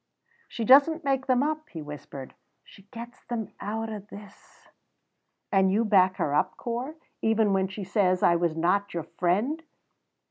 "She doesna make them up," he whispered; "she gets them out o' this." "And you back her up, Corp, even when she says I was not your friend!"